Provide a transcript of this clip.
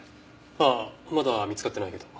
ああまだ見つかってないけど。